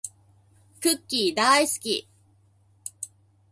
クッキーだーいすき